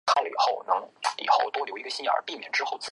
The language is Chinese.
希腊历史学家普鲁塔克曾写下密码棒的用法。